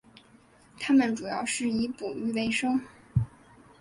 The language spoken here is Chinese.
他们主要是以捕鱼维生。